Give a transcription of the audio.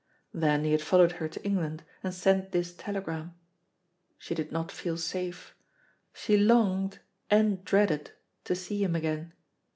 Then he had followed her to England, and sent this telegram. She did not feel safe. She longed, and dreaded to see him again.